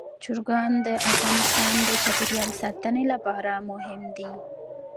چرګان د افغانستان د چاپیریال ساتنې لپاره مهم دي.